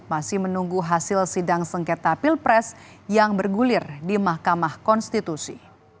masih menunggu hasil sidang sengketa pilpres yang bergulir di mahkamah konstitusi